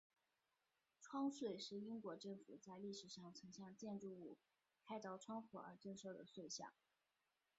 窗税是英国政府在历史上曾向建筑物开凿窗户而征收的税项。